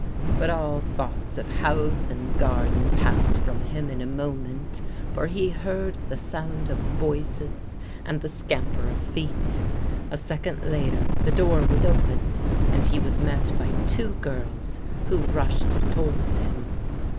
But all thoughts of house and garden passed from him in a moment, for he heard the sound, of voices, and the scamper of feet. A second later the door was opened, and he was met by two girls who rushed towards him.